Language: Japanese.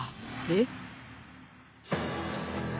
えっ？